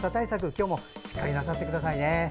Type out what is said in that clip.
今日もしっかりなさってください。